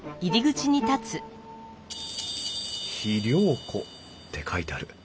「肥料庫」って書いてある。